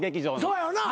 そうやんな。